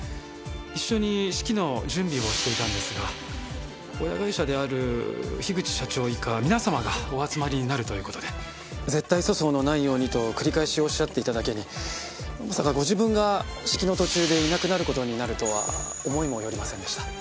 一緒に式の準備をしていたんですが親会社である口社長以下皆様がお集まりになるという事で絶対粗相のないようにと繰り返しおっしゃっていただけにまさかご自分が式の途中でいなくなる事になるとは思いもよりませんでした。